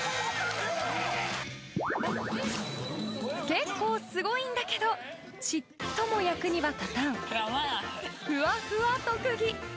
結構すごいんだけどちっとも役には立たんふわふわ特技。